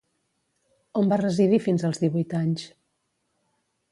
On va residir fins als divuit anys?